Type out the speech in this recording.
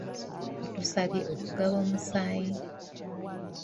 Baatusabye okugaba omusaayi.